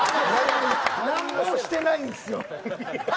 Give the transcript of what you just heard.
なんもしてないんですよ！